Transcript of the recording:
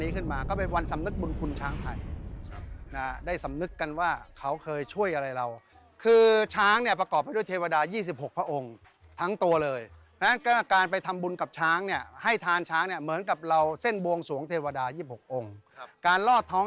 คือจะได้รับพรจากเทวดา๒๖องค์หลังจากที่เราไปรอดท้อง